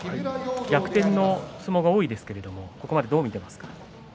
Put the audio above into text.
逆転の相撲も多いですけれどもここまでどう見ていますか？